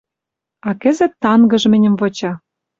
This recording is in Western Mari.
А кӹзӹт тангыж мӹньӹм выча.